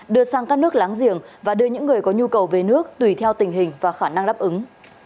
đưa sang các nước láng giềng và đưa những người có nhu cầu về nước tùy theo tình hình và khả năng đáp ứng